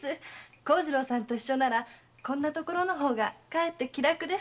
幸次郎さんと一緒ならこんな所の方がかえって気楽です。